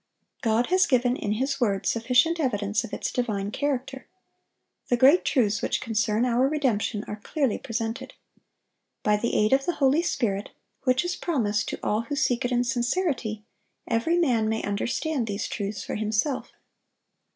God has given in His word sufficient evidence of its divine character. The great truths which concern our redemption are clearly presented. By the aid of the Holy Spirit, which is promised to all who seek it in sincerity, every man may understand these truths for himself.